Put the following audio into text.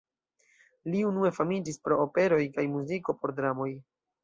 Li unue famiĝis pro operoj kaj muziko por dramoj.